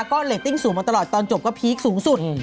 ก็เรตติ้งสูงมาตลอดตอนจบก็พีคสูงสุด